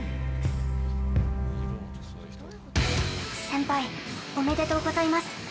◆先輩、おめでとうございます。